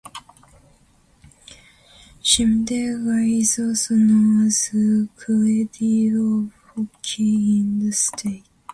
Simdega is also known as 'Cradle of Hockey' in the state.